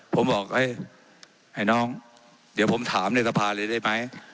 ผมบอกไอ้น้องเดี๋ยวผมถามในสภาเลยได้ไหม